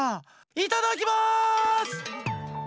いただきます！